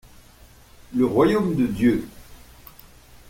Le Royaume de Dieu.